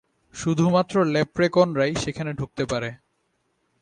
শুধুমাত্র ল্যাপ্রেকনরাই সেখানে ঢুকতে পারে।